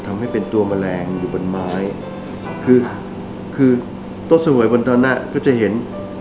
ทำให้เป็นตัวแมลงอยู่บนไม้คือคือโต๊ะสงวยบนตอนนั้นน่ะก็จะเห็น